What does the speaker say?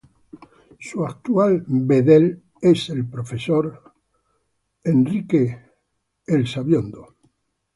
Su actual director general es el profesor doctor Henry Engler.